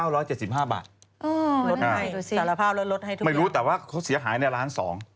ลดให้สารภาพลดให้ทุกอย่างไม่รู้แต่ว่าเขาเสียหายใน๑๒ล้าน